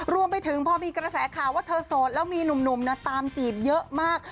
รวมไปถึงพอมีกระแสข่าวว่าเธอโสดแล้วมีหนุ่มตามจีบเยอะมาก